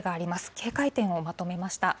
警戒点をまとめました。